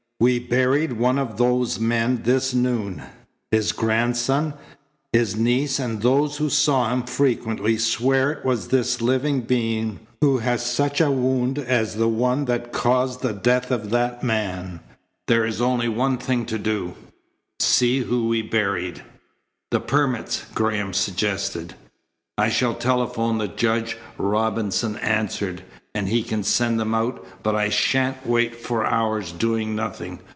"We buried one of those men this noon. His grandson, his niece, and those who saw him frequently, swear it was this living being who has such a wound as the one that caused the death of that man. There is only one thing to do see who we buried." "The permits?" Graham suggested. "I shall telephone the judge," Robinson answered, "and he can send them out, but I shan't wait for hours doing nothing.